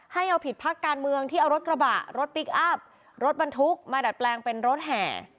ให้เอาผิดพักการเมืองที่เอารถกระบะรถพลิกอัพรถบรรทุกมาดัดแปลงเป็นรถแห่